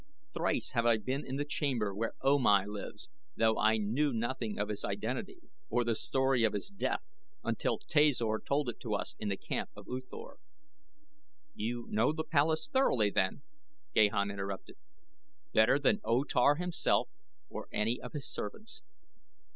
Thrice have I been in the chamber where O Mai lies, though I knew nothing of his identity or the story of his death until Tasor told it to us in the camp of U Thor." "You know the palace thoroughly then?" Gahan interrupted. "Better than O Tar himself or any of his servants."